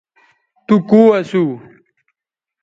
تو کو اسو